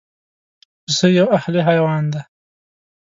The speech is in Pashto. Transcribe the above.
پسه یو اهلي حیوان دی.